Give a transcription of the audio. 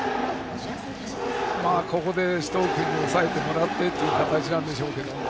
ここで首藤君に抑えてもらってという形でしょうが。